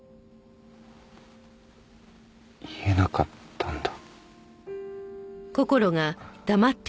言えなかったんだ。